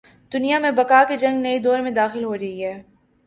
دنیا میں بقا کی جنگ نئے دور میں داخل ہو رہی ہے۔